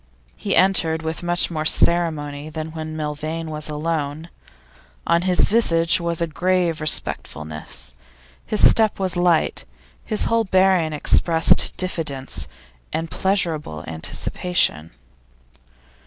He entered with much more ceremony than when Milvain was alone; on his visage was a grave respectfulness, his step was light, his whole bearing expressed diffidence and pleasurable anticipation.